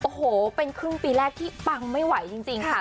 โอ้โหเป็นครึ่งปีแรกที่ปังไม่ไหวจริงค่ะ